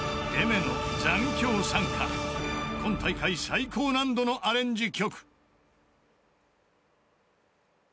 ［今大会最高難度のアレンジ曲］